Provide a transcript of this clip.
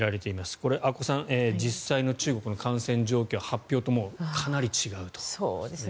これ、阿古さん実際の中国の感染状況発表とかなり違うと。